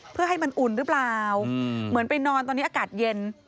เพื่อให้มันอุ่นหรือเปล่าเหมือนไปนอนตอนนี้อากาศเย็น